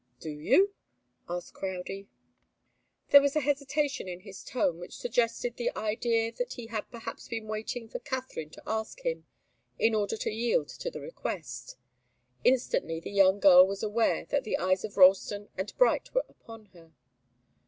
"Do you?" asked Crowdie. There was a hesitation in his tone which suggested the idea that he had perhaps been waiting for Katharine to ask him, in order to yield to the request. Instantly the young girl was aware that the eyes of Ralston and Bright were upon her.